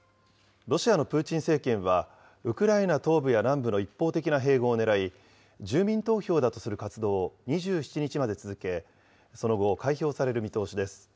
ロシアのプーチン政権は、ウクライナ東部や南部の一方的な併合をねらい、住民投票だとする活動を２７日まで続け、その後、開票される見通しです。